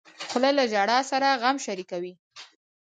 خور له ژړا سره غم شریکوي.